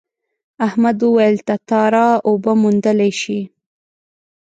احمد وویل تتارا اوبه موندلی شي.